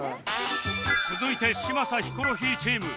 続いて嶋佐・ヒコロヒーチーム